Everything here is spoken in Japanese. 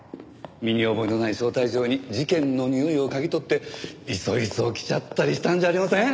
身に覚えのない招待状に事件のにおいを嗅ぎ取っていそいそ来ちゃったりしたんじゃありません？